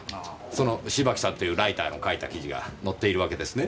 その芝木さんというライターの書いた記事が載っているわけですね？